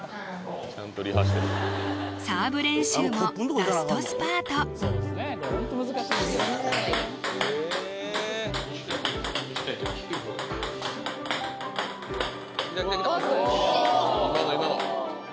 サーブ練習もラストスパートあっ惜しい！